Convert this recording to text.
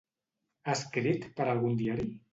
Ha escrit per algun diari?